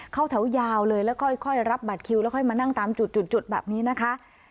เข้าแถวยาวเลยแล้วค่อยรับบัตรคิวแล้วค่อยมานั่งตามจุดแบบนี้นะคะ